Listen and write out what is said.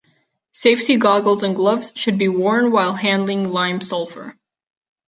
Safety goggles and gloves should be worn while handling lime sulfur.